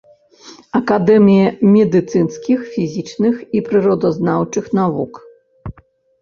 Акадэмія медыцынскіх, фізічных і прыродазнаўчых навук.